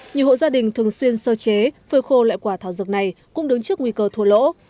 nhiều hộ gia đình thường xuyên sơ chế phơi khô loại quả thảo dược này cũng đứng trước nguy cơ thua lỗ